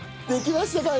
できました。